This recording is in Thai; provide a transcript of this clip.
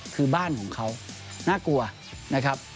คือบ้านของเขาน่ากลัวนะครับ